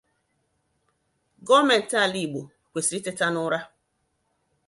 Gọọmenti ala Igbo kwesiri iteta n'ụra